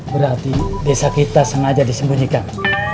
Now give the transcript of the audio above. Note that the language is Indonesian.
berarti desa kita sengaja disembunyikan